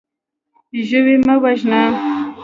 ژوی مه وژنه.